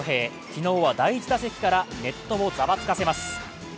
昨日は第１打席からネットをざわつかせます。